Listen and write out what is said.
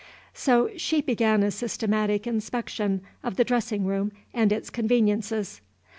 So she began a systematic inspection of the dressing room and its conveniences.